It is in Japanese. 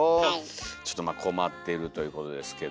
ちょっと困ってるということですけども。